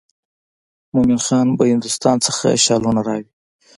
مومن خان به هندوستان څخه شالونه راوړي.